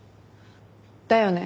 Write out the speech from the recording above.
だよね？